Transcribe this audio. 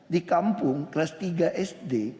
di kampung kelas tiga sd